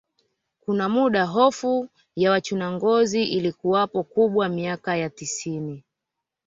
Kuna muda hofu ya wachuna ngozi ilikuwapo kubwa miaka ya tisini